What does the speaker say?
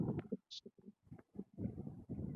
发动机位于底盘的右前方。